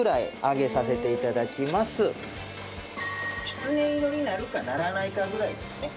キツネ色になるかならないかぐらいですね。